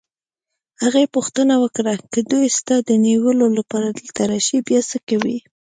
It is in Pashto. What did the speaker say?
هغې پوښتنه وکړه: که دوی ستا د نیولو لپاره دلته راشي، بیا څه کوې؟